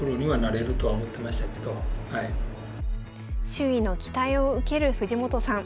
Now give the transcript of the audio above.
周囲の期待を受ける藤本さん